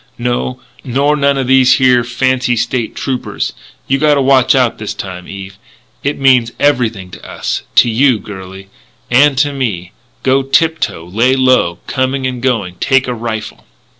No, nor none o' these here fancy State Troopers. You gotta watch out this time, Eve. It means everything to us to you, girlie and to me. Go tip toe. Lay low, coming and going. Take a rifle."